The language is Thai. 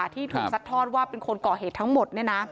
ที่ถูกซัดทอดว่าเป็นคนก่อเหตุทั้งหมด